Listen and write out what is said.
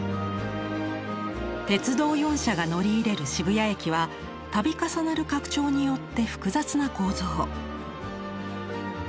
鉄道４社が乗り入れる渋谷駅は度重なる拡張によって複雑な構造。